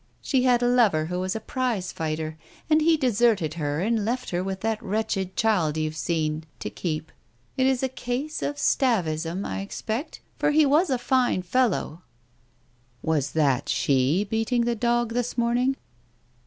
She had a lover who was a prize fighter, and he deserted her and left her with that wretched child you've seen, to keep. ... It is a case of atavism, I expect, for he was a fine fellow." "Was that she beating the dog this morning?